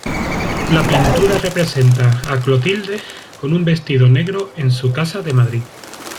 La pintura representa a Clotilde con un vestido negro en su casa de Madrid.